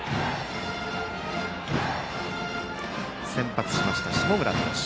先発しました下村投手。